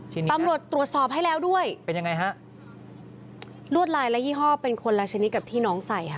ทีนี้ตำรวจตรวจสอบให้แล้วด้วยเป็นยังไงฮะลวดลายและยี่ห้อเป็นคนละชนิดกับที่น้องใส่ค่ะ